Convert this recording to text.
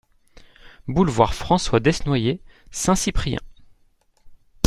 Boulevard François Desnoyer, Saint-Cyprien